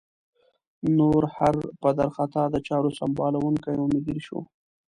نو هر پدر خطا د چارو سمبالوونکی او مدیر شو.